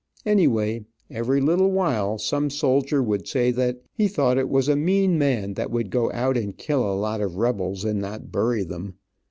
Anyway every little while some soldier would say that he thought it was a mean man that would go out and kill a lot of rebels and not bury them.